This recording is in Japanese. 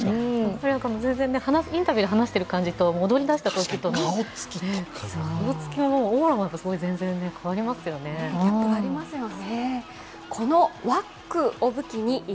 インタビューで話している感じと、踊り出したときと顔つきも、オーラも全然変わりますよね。